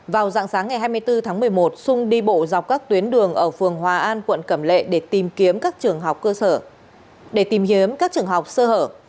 vào dạng sáng ngày hai mươi bốn tháng một mươi một sung đi bộ dọc các tuyến đường ở phường hòa an quận cầm lệ để tìm kiếm các trường học sơ hở